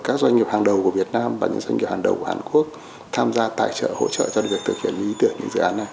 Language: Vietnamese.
các doanh nghiệp hàng đầu của việt nam và những doanh nghiệp hàng đầu của hàn quốc tham gia tài trợ hỗ trợ cho việc thực hiện những ý tưởng những dự án này